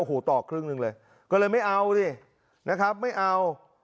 โอ้โหต่อครึ่งหนึ่งเลยก็เลยไม่เอาสินะครับไม่เอา